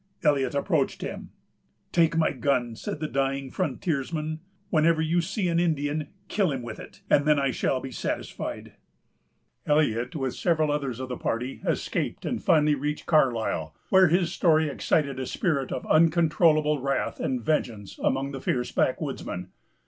Eliot approached him. "Take my gun," said the dying frontiersman. "Whenever you see an Indian, kill him with it, and then I shall be satisfied." Eliot, with several others of the party, escaped, and finally reached Carlisle, where his story excited a spirit of uncontrollable wrath and vengeance among the fierce backwoodsmen.